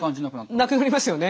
なくなりますよね。